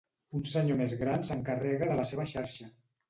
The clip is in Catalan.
Un senyor més gran s'encarrega de la seva xarxa